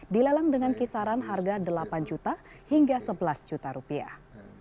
dilelang dengan kisaran harga delapan juta hingga sebelas juta rupiah